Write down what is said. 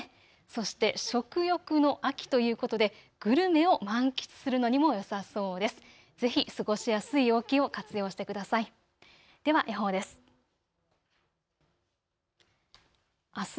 そして食欲の秋ということでグルメを満喫するのにもよさそうです。